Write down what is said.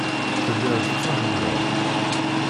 Telliḍ tettwaḥemmleḍ.